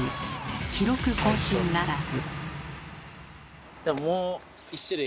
記録更新ならず。